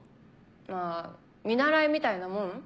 まあ見習いみたいなもん？